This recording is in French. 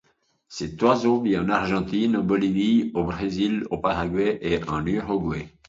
Cet oiseau vit en Argentine, en Bolivie, au Brésil, au Paraguay et en Uruguay.